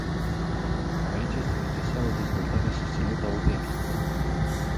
Aici este necesară o dezvoltare susținută autentică.